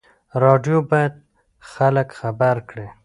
راډیو باید خلک خبر کړي.